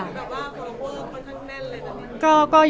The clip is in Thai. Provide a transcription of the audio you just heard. แบบว่าคนละครค่อนข้างแน่นเลย